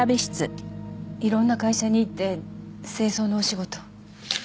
いろんな会社に行って清掃のお仕事を。